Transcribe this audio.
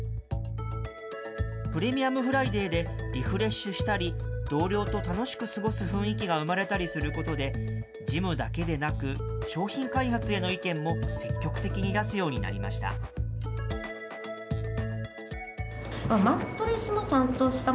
プレミアムフライデーでリフレッシュしたり、同僚と楽しく過ごす雰囲気が生まれたりすることで、事務だけでなく、商品開発への意見も積極的に出すようになりました。